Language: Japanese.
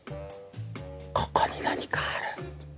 ここに何かある。